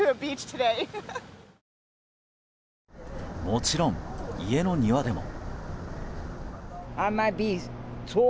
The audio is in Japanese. もちろん家の庭でも。